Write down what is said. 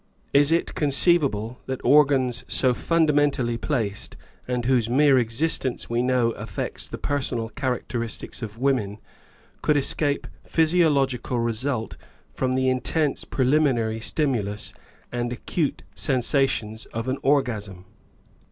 Is it conceivable that organs so fundamentally placed, and whose mere existence we know affects the personal characters of women, could escape physiological result from the intense preliminary stimulus and acute sensations of an orgasm?